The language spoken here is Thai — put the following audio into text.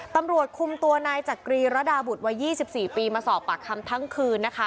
ตำรวจคุมตัวนายจักรีระดาบุตรวัย๒๔ปีมาสอบปากคำทั้งคืนนะคะ